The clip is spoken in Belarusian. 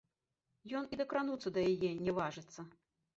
Ён і дакрануцца да яе не важыцца.